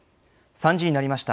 ３時になりました。